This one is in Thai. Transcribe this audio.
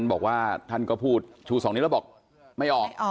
บอกว่าท่านก็พูดชู๒นิ้วแล้วบอกไม่ออก